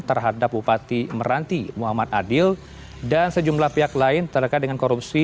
terhadap bupati meranti muhammad adil dan sejumlah pihak lain terkait dengan korupsi